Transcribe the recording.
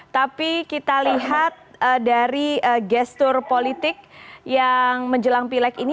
tapi kita lihat dari gestur politik yang menjelang pilek ini